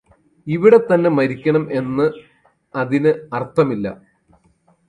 ഇവിടെത്തന്നെ മരിക്കണം എന്ന് അതിന് അര്ത്ഥമില്ല